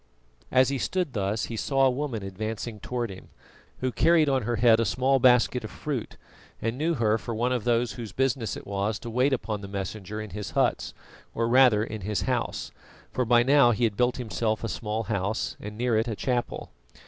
As he stood thus he saw a woman advancing towards him, who carried on her head a small basket of fruit, and knew her for one of those whose business it was to wait upon the Messenger in his huts, or rather in his house, for by now he had built himself a small house, and near it a chapel.